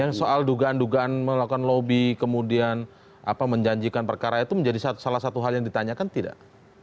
yang soal dugaan dugaan melakukan lobby kemudian menjanjikan perkara itu menjadi salah satu hal yang ditanyakan tidak